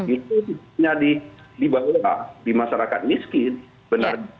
itu di bawah di masyarakat miskin benar